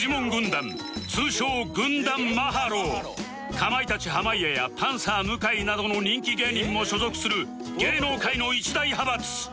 かまいたち濱家やパンサー向井などの人気芸人も所属する芸能界の一大派閥